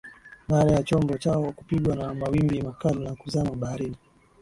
baada ya chombo chao kupigwa na mawimbi makali na kuzama baharini